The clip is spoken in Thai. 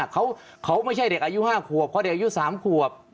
เขาไม่ใช่เด็กอายุ๕ขวบเขาเด็กอายุ๓ขวบ